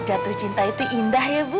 jatuh cinta itu indah ya bu